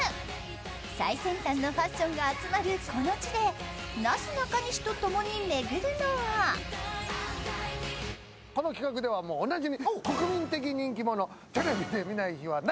最先端のファッションが集まるこの地でなすなかにしと共に巡るのはこの企画ではおなじみ。